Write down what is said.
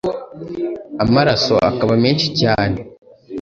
amaraso akaba menshi cyane